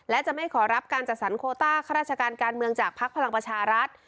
และจะไม่ขอรับการจัดสรรโคต้าข้าราชการการเมืองจากภักดิ์พลังประชารัฐ